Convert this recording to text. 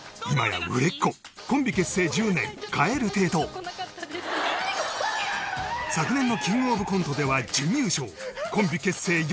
今や売れっ子コンビ結成１０年昨年の『キングオブコント』では準優勝コンビ結成